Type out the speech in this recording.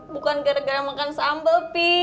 bukan gara gara makan sambal p